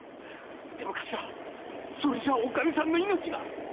でもそれじゃおかみさんの命が！